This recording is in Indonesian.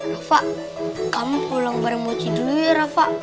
rafa kamu pulang bareng mochi dulu ya rafa